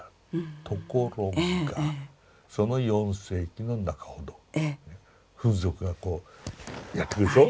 ところがその４世紀の中ほどフン族がこうやって来るでしょ。